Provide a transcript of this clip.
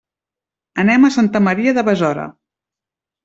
Anem a Santa Maria de Besora.